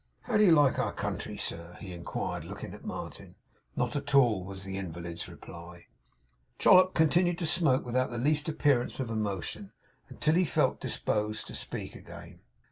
'How do you like our country, sir?' he inquired, looking at Martin. 'Not at all,' was the invalid's reply. Chollop continued to smoke without the least appearance of emotion, until he felt disposed to speak again.